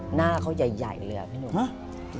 หน้าเขายัยกันเหรอ